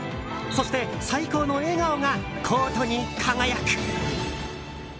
そして最高の笑顔がコートに輝く。